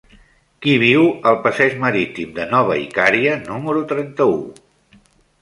Qui viu al passeig Marítim de Nova Icària número trenta-u?